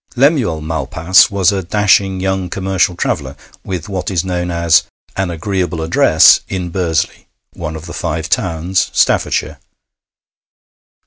Lemuel Malpas was a dashing young commercial traveller, with what is known as 'an agreeable address,' in Bursley, one of the Five Towns, Staffordshire.